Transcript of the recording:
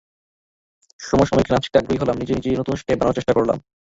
সমসাময়িক নাচ শিখতে আগ্রহী হলাম, নিজে নিজে নতুন স্টেপ বানানোর চেষ্টা করলাম।